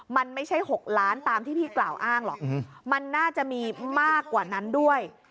มันไม่ใช่๖ล้านตามที่พี่กล่าวอ้างหรอกมันน่าจะมีมากกว่านั้นด้วย